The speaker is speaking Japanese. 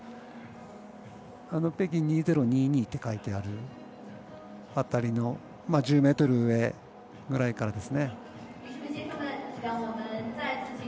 「北京２０２２」って書いてある辺りの１０ｍ上ぐらいからですね。